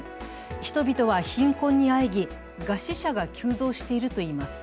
人々は貧困にあえぎ餓死者が急増しているといいます。